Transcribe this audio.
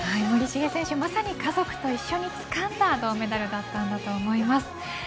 森重選手、まさに家族と一緒につかんだ銅メダルだったんだなと思います。